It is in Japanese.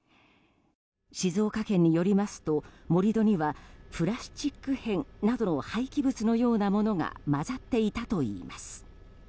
静岡県によりますと盛り土にはプラスチック片などの廃棄物のようなものが混ざっていたといいます。